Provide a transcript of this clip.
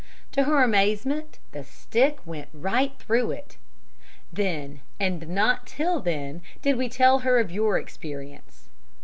To her amazement the stick went right through it. Then, and not till then, did we tell her of your experience.